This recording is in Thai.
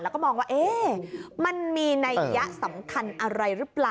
แล้วก็มองว่ามันมีนัยยะสำคัญอะไรหรือเปล่า